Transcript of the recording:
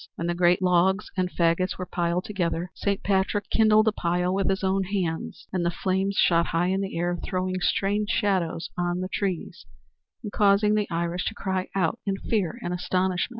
When the great logs and the faggots were piled together Saint Patrick kindled the pile with his own hands and the flames shot high in the air, throwing strange shadows on the trees and causing the Irish to cry out in fear and astonishment.